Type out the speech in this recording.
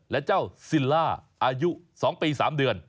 และเจ้าซิลล่าอายุ๒ปี๓เดือน